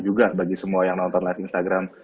juga bagi semua yang nonton live instagram